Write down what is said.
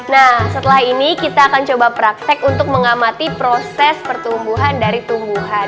nah setelah ini kita akan coba praktek untuk mengamati proses pertumbuhan dari tumbuhan